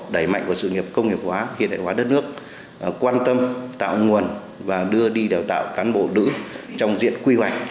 đẩy mạnh của sự nghiệp công nghiệp hóa hiện đại hóa đất nước quan tâm tạo nguồn và đưa đi đào tạo cán bộ nữ trong diện quy hoạch